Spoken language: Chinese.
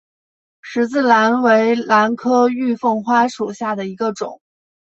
十字兰为兰科玉凤花属下的一个种。